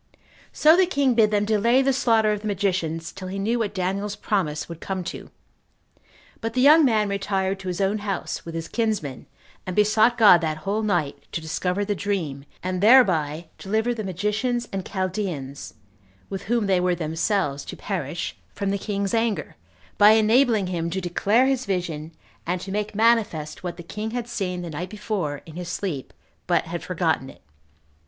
So the king bid them delay the slaughter of the magicians till he knew what Daniel's promise would come to; but the young man retired to his own house, with his kinsmen, and besought God that whole night to discover the dream, and thereby deliver the magicians and Chaldeans, with whom they were themselves to perish, from the king's anger, by enabling him to declare his vision, and to make manifest what the king had seen the night before in his sleep, but had forgotten it.